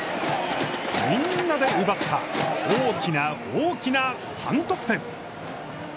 みんなで奪った、大きな大きな３得点。